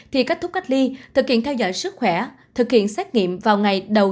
thì kết thúc cách ly thực hiện theo dõi sức khỏe thực hiện xét nghiệm vào ngày đầu